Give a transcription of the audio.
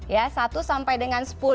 ya satu sampai dengan sepuluh